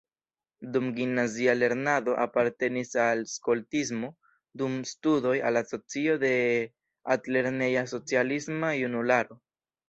Dum gimnazia lernado apartenis al skoltismo, dum studoj al Asocio de Altlerneja Socialisma Junularo.